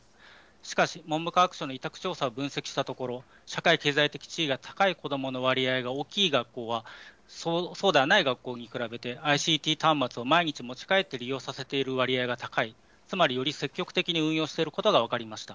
しかし、文部科学省の委託調査を分析したところ、社会経済的地位が高い子どもの割合が大きい学校は、そうではない学校に比べて、ＩＣＴ端末を毎日持ち帰って利用させている割合が高い、つまり、より積極的に運用していることが分かりました。